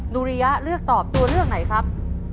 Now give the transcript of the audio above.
ริยะเลือกตอบตัวเลือกไหนครับ